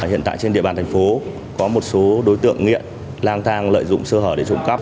hiện tại trên địa bàn thành phố có một số đối tượng nghiện lang thang lợi dụng sơ hở để trộm cắp